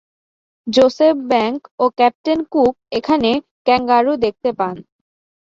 Joseph Banks ও captain Cook এখানে kangaroo দেখতে পান।